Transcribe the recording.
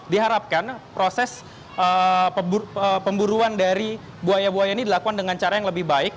diharapkan proses pemburuan dari buaya buaya ini dilakukan dengan cara yang lebih baik